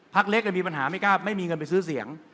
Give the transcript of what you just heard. เล็กมีปัญหาไม่กล้าไม่มีเงินไปซื้อเสียง